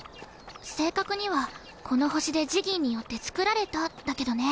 正確にはこの星でジギーによって造られただけどね。